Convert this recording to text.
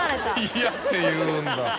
「イヤ」って言うんだ。